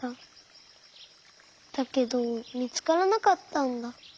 だけどみつからなかったんだ。